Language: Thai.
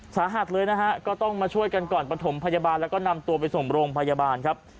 สาหัสเลยนะฮะก็ต้องมาช่วยกันก่อนประถมพยาบาลแล้วก็นำตัวไปส่งโรงพยาบาลครับ